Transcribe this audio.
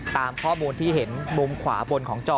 ตามข้อมูลที่เห็นมุมขวาบนของจอ